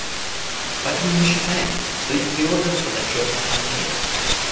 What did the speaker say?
Поэтому мы считаем, что эти три органа подотчетны Ассамблее.